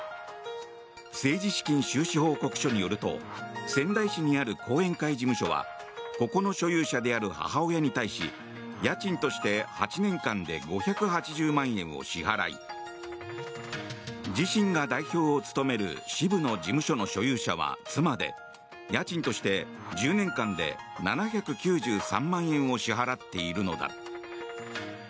政治資金収支報告書によると仙台市にある後援会事務所はここの所有者である母親に対し家賃として８年間で５８０万円を支払い自身が代表を務める支部の事務所の所有者は妻で家賃として１０年間で７９３万円を支払っているのだ。